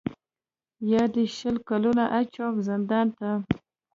یا دي شل کلونه اچوم زندان ته